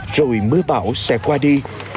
rồi mưa bão sẽ qua đi